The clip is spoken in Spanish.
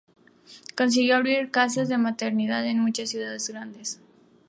Consiguió abrir casas de maternidad en muchas ciudades grandes.